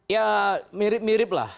ya mirip mirip lah